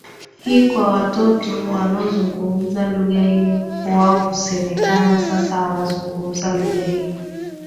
hii kwa watoto wanaozungumza lugha hiyo wao husemekana sasa wanazungumza lugha hiyo